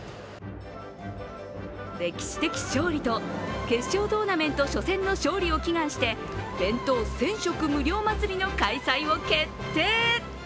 歴史的勝利と決勝トーナメント初戦の勝利を祈願して弁当１０００食無料祭りの開催を決定。